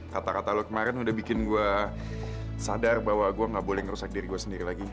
kata kata lo kemarin udah bikin gue sadar bahwa gue gak boleh ngerusak diri gue sendiri lagi